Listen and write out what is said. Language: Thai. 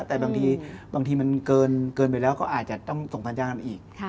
แต่บางทีมันเกินไปแล้วก็อาจจะต้องส่งสัญญาณมาอีก